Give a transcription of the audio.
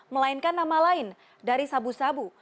melainkan nama lain dari sabu sabu